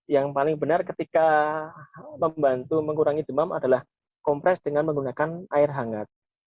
yang paling benar ketika membantu mengurangi demam adalah kompres dengan menggunakan air hangat